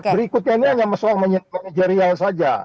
berikutnya ini hanya soal manajerial saja